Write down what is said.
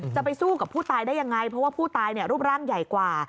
จะไปสู้กับผู้ตายได้ยังไงเพราะว่าผู้ตายรูปร่างใหญ่กว่า